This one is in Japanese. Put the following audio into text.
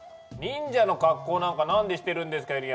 忍者の格好なんか何でしてるんですか